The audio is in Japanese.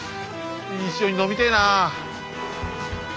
一緒に飲みてえなあ。